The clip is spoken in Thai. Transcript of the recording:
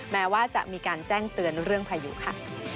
แม้ว่าจะมีการแจ้งเตือนเรื่องพายุค่ะ